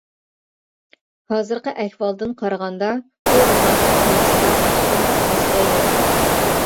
ھازىرقى ئەھۋالدىن قارىغاندا، بۇ روماننىڭ تېمىسىدا ھېچقانداق مەسىلە يوق.